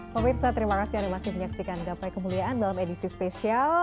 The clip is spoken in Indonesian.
pemirsa terima kasih anda masih menyaksikan gapai kemuliaan dalam edisi spesial